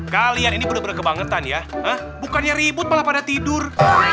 kalian ini benar benar kebangetan ya bukannya ribut malah pada tidur